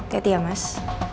teti ya mas